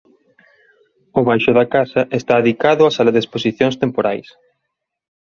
O baixo da casa está adicado a sala de exposicións temporais.